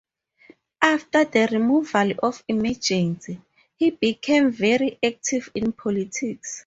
After the removal of emergency, he became very active in politics.